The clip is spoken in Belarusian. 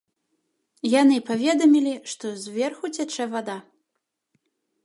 Яны паведамілі, што зверху цячэ вада.